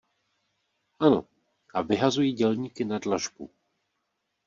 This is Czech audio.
Ano, a vyhazují dělníky na dlažbu.